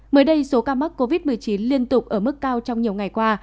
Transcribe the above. mới đây số ca mắc covid một mươi chín liên tục ở mức cao trong nhiều ngày qua